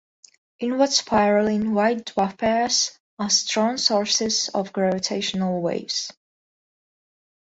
Inward spiraling white dwarf pairs are strong sources of gravitational waves.